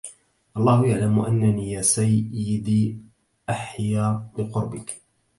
الله يعلم أنني يا سيدي أحيا بقربك